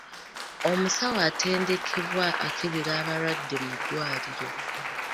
Omusawo atendekebwa akebera abalwadde mu ddwaliro.